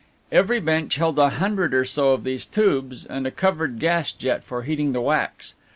Every bench held a hundred or so of these tubes and a covered gas jet for heating the wax.